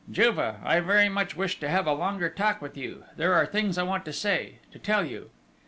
"Juve, I very much wish to have a longer talk with you there are things I want to say to tell you!"